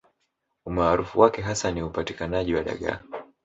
Umaarufu wake hasa ni upatikanaji wa dagaa